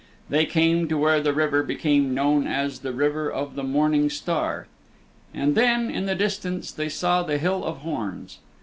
They came to where the river became known as the River of the Morning Star. And then, in the distance, they saw the Hill of Horns.